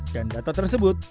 dan data tersebut